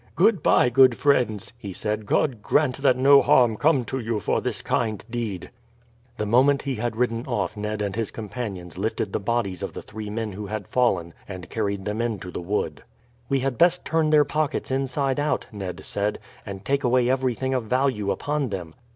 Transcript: "Goodbye, good friends," he said. "God grant that no harm come to you for this kind deed." The moment he had ridden off Ned and his companions lifted the bodies of the three men who had fallen and carried them into the wood. "We had best turn their pockets inside out," Ned said, "and take away everything of value upon them."